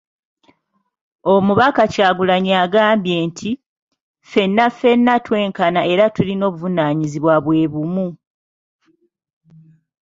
Omubaka Kyagulanyi yagambye nti, “Ffenna ffenna twenkana era tulina obuvunanyizibwa bwe bumu"